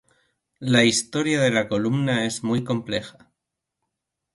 La historia de la columna es muy compleja.